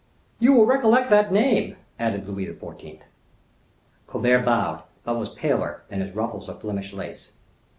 "You will recollect that name," added Louis XIV. Colbert bowed, but was paler than his ruffles of Flemish lace.